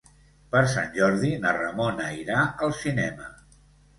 Per Sant Jordi na Ramona irà al cinema.